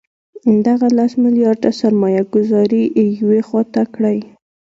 دغه لس میلیارده سرمایه ګوزاري یوې خوا ته کړئ.